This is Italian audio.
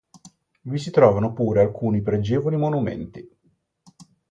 Vi si trovano pure alcuni pregevoli monumenti.